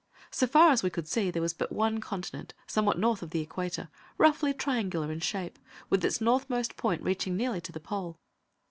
So far as we could see, there was but one continent, somewhat north of the equator, roughly triangular in shape, with its northernmost point reaching nearly to the Pole.